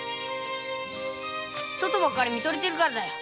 外ばっかり見とれているからだよ。